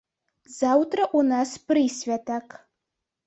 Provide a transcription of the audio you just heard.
Заўтра ў нас прысвятак.